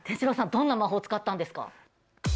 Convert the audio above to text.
どんな魔法を使ったんですか？